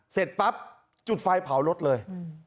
เสร็จปั๊บจุดไฟเผารถเลย